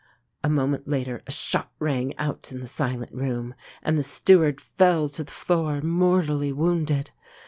A moment later a shot rang out in the silent room, and the steward fell to the floor mortally wounded.